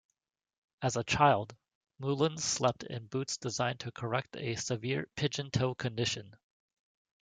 As a child, Mullen slept in boots designed to correct a severe pigeon-toe condition.